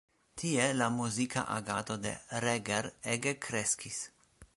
Tie la muzika agado de Reger ege kreskis.